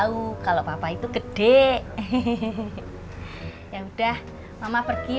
udah jalan dari pagi